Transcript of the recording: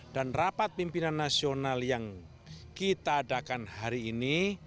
dan rapat pimpinan nasional yang kita adakan hari ini